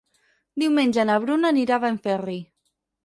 Diumenge na Bruna anirà a Benferri.